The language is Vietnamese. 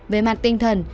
về mặt tinh thần